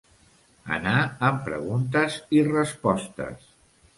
Anar amb preguntes i respostes.